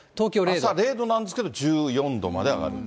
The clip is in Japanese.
朝０度なんですけど、１４度まで上がると。